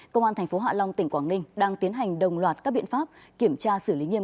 công an tp hạ long tỉnh quảng ninh đang tiến hành đồng loạt các biện pháp kiểm tra xử lý nghiêm